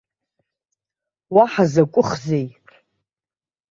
Уаҳа закәыхзеи?!